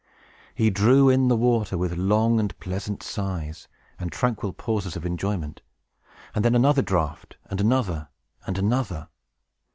He drew in the water, with long and pleasant sighs, and tranquil pauses of enjoyment; and then another draught, and another, and another.